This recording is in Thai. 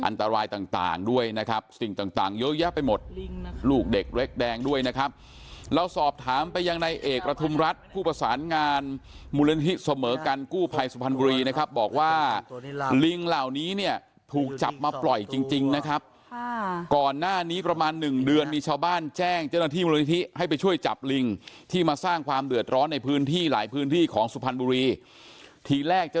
อันตรายต่างด้วยนะครับสิ่งต่างเยอะแยะไปหมดลูกเด็กเล็กแดงด้วยนะครับเราสอบถามไปยังในเอกประทุมรัฐผู้ประสานงานมูลนิธิเสมอกันกู้ภัยสุพรรณบุรีนะครับบอกว่าลิงเหล่านี้เนี่ยถูกจับมาปล่อยจริงจริงนะครับก่อนหน้านี้ประมาณหนึ่งเดือนมีชาวบ้านแจ้งเจ้าหน้าที่มูลนิธิให้ไปช่วยจับลิงที่มาสร้างความเดือดร้อนในพื้นที่หลายพื้นที่ของสุพรรณบุรีทีแรกจะ